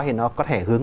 thì nó có thể hướng